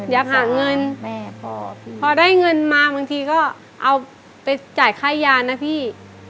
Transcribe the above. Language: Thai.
อยากหาเงินแม่พอได้เงินมาบางทีก็เอาไปจ่ายค่ายานะพี่